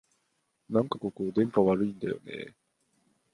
なんかここ、電波悪いんだよねえ